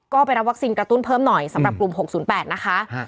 ก็ไปรับวัคซีนกระตุ้นเพิ่มหน่อยสำหรับกลุ่ม๖๐๘นะคะ